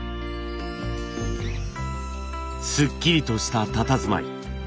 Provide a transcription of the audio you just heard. すっきりとしたたたずまい。